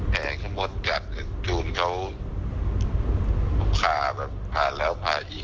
แหงเขามดกัดจูมเขาขาแบบผ่าแล้วผ่าอีก